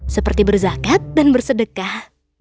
seperti berzakat dan bersedekah